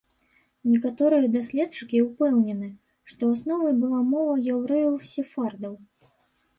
Некаторыя даследчыкі ўпэўнены, што асновай была мова яўрэяў-сефардаў.